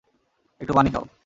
একটু পানি খাও।